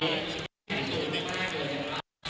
นี่แหละสำคัญที่สุด